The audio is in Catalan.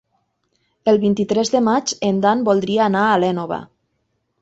El vint-i-tres de maig en Dan voldria anar a l'Énova.